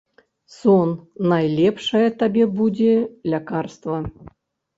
Сон найлепшае табе будзе лякарства.